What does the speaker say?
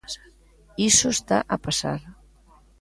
Iso está a pasar.